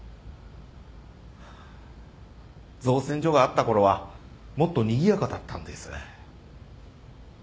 造船所があったころはもっとにぎやかだったんです